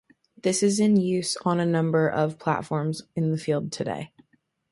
This is in use on a number of platforms in the field today.